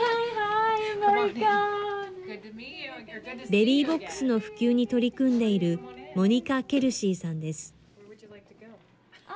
ベビーボックスの普及に取り組んでいる、モニカ・ケルシーさんです。